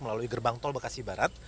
melalui gerbang tol bekasi barat